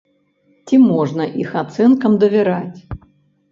Ці можна іх ацэнкам давяраць?